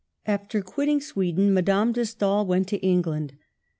After quitting Sweden Madame de Stael went to England.